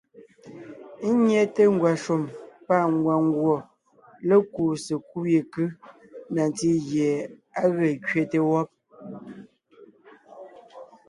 Ńnyɛte ngwàshùm pâ ngwàngùɔ lékuu sekúd yekʉ́ na ntí gie á ge kẅete wɔ́b.